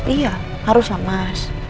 iya harus lah mas